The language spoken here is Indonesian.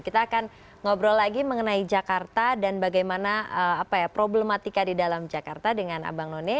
kita akan ngobrol lagi mengenai jakarta dan bagaimana problematika di dalam jakarta dengan abang none